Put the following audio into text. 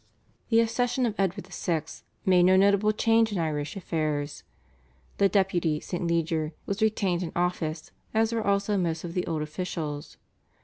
The accession of Edward VI. made no notable change in Irish affairs. The Deputy, St. Leger, was retained in office, as were also most of the old officials.